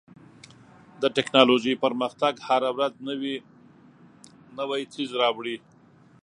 د ټکنالوژۍ پرمختګ هره ورځ نوی څیز راوړي.